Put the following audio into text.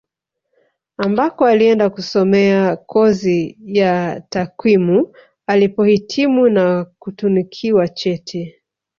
Ambako alienda kusomea kozi ya takwimu alipohitimu na kutunikiwa cheti